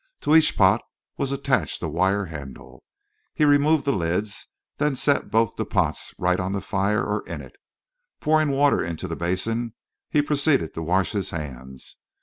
To each pot was attached a wire handle. He removed the lids, then set both the pots right on the fire or in it. Pouring water into the basin, he proceeded to wash his hands.